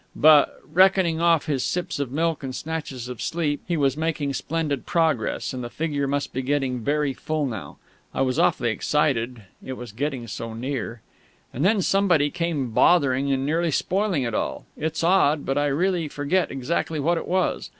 But, reckoning off his sips of milk and snatches of sleep, he was making splendid progress, and the figure must be getting very full now. I was awfully excited, it was getting so near.... And then somebody came bothering and nearly spoiling all. It's odd, but I really forget exactly what it was.